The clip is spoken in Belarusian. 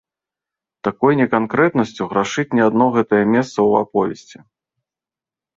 Такой неканкрэтнасцю грашыць не адно гэтае месца ў аповесці.